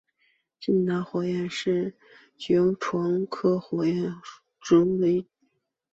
金塔火焰花是爵床科火焰花属的植物。